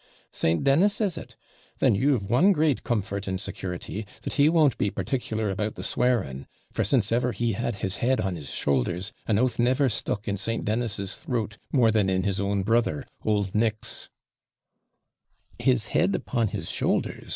'St. Dennis, is it? Then you've one great comfort and security that he won't be PARTICULAR about the swearing; for since ever he had his head on his shoulders, an oath never stuck in St. Dennis's throat, more than in his own brother, old Nick's.' 'His head upon his shoulders!'